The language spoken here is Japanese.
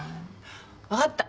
わかった。